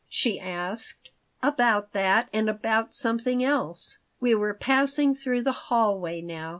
she asked "About that and about something else." We were passing through the hallway now.